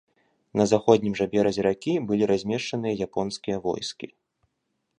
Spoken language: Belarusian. На заходнім жа беразе ракі былі размешчанымі японскія войскі.